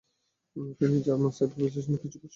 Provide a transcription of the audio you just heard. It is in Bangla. তিনি জার্মান সাইফার বিশ্লেষণের বেশ কিছু কৌশল আবিষ্কার করেন।